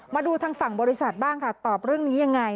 มาดูทางฝั่งบริษัทบ้างค่ะตอบเรื่องนี้ยังไง